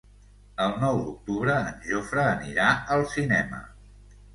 El nou d'octubre en Jofre anirà al cinema.